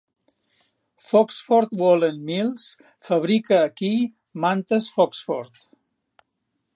Foxford Woollen Mills fabrica aquí mantes Foxford.